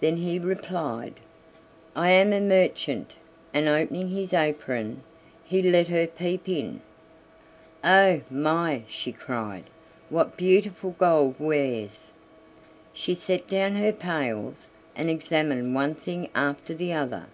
Then he replied: "I am a merchant," and opening his apron, he let her peep in. "Oh! my," she cried; "what beautiful gold wares!" she set down her pails, and examined one thing after the other.